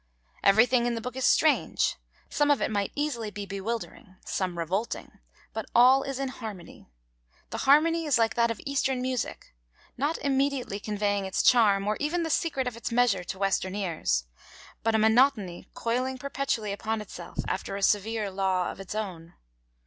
Everything in the book is strange, some of it might easily be bewildering, some revolting; but all is in harmony. The harmony is like that of Eastern music, not immediately conveying its charm, or even the secret of its measure, to Western ears; but a monotony coiling perpetually upon itself, after a severe law of its own.